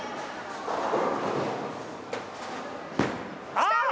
あっ！